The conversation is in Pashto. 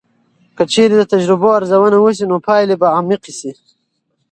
که چیرې د تجربو ارزونه وسي، نو پایلې به عمیقې سي.